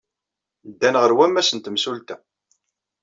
Ddan ɣer wammas n temsulta.